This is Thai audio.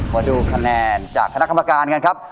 มาดูคะแนนจากคณะกรรมการกันครับ